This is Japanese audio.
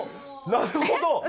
なるほど。